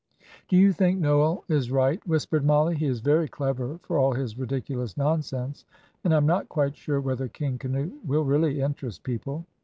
"Do you think Noel is right?" whispered Mollie. "He is very clever, for all his ridiculous nonsense, and I am not quite sure whether 'King Canute' will really interest people."